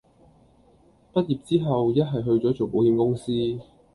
畢業之後一係去左做保險公司